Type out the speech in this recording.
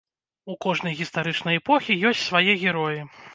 У кожнай гістарычнай эпохі ёсць свае героі.